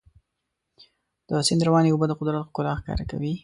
د سیند روانې اوبه د قدرت ښکلا ښکاره کوي.